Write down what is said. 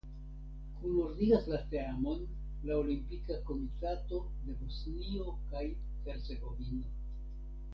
Kunordigas la teamon la Olimpika Komitato de Bosnio kaj Hercegovino.